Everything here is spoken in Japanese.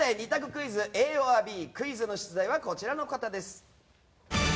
クイズＡｏｒＢクイズの出題はこちらの方です。